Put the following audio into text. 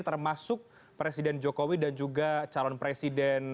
termasuk presiden jokowi dan juga calon presiden